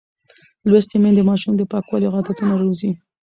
لوستې میندې د ماشوم د پاکوالي عادتونه روزي.